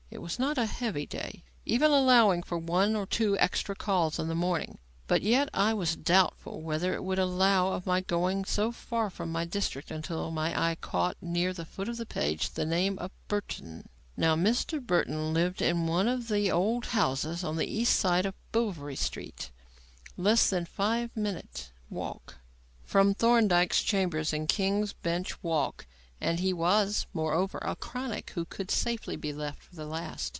It was not a heavy day, even allowing for one or two extra calls in the morning, but yet I was doubtful whether it would allow of my going so far from my district, until my eye caught, near the foot of the page, the name of Burton. Now Mr. Burton lived in one of the old houses on the east side of Bouverie Street, less than five minutes' walk from Thorndyke's chambers in King's Bench Walk; and he was, moreover, a "chronic" who could safely be left for the last.